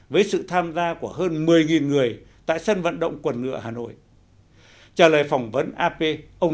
với sự tham gia của hơn một mươi người tại sân vận động quần ngựa hà nội trả lời phỏng vấn ap ông